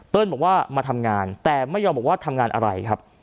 บอกว่ามาทำงานแต่ไม่ยอมบอกว่าทำงานอะไรครับ